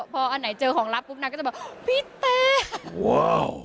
พออันไหนเจอของลับก็จะบอกพี่แต่